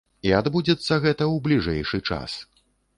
І адбудзецца гэта ў бліжэйшы час.